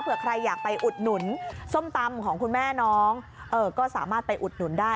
เพื่อใครอยากไปอุดหนุนส้มตำของคุณแม่น้องก็สามารถไปอุดหนุนได้